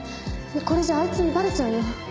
これじゃああいつにバレちゃうよ。